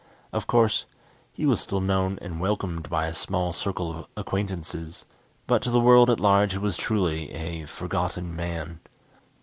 Of course, he was still known and welcomed by a small circle of acquaintances, but to the world at large he was truly a "forgotten man."